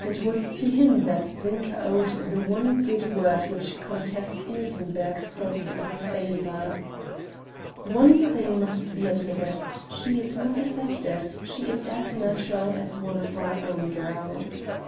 It was to him that Zinka owed the one good word which Countess Ilsenbergh spoke in her favor: "One thing must be admitted; she is not affected, she is as natural as one of our own girls."